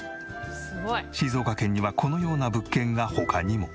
静岡県にはこのような物件が他にも。